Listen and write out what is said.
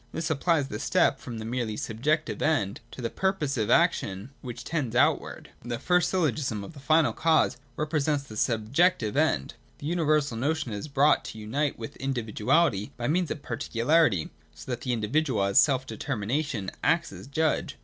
This supplies the step from the merely Subjective End to the purposive action which tends outwards. 207.] (i) The first syllogism of the final cause repre sents the Subjective End. The universal notion is brought to unite with individuality by means of particu larity, so that the individual as self determination acts as judge.